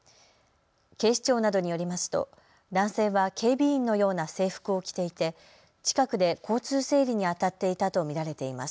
警視庁などによりますと男性は警備員のような制服を着ていて近くで交通整理にあたっていたと見られています。